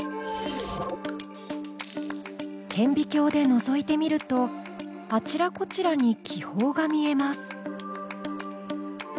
顕微鏡でのぞいてみるとあちらこちらに気泡が見えます。